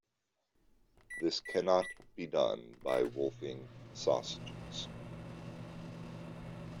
This cannot be done by wolfing sausages.